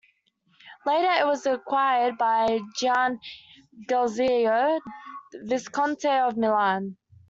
Later it was acquired by Gian Galeazzo Visconti of Milan.